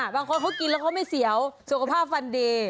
บางคนเขากินแล้วเขาไม่เสียวสุขภาพฟันดี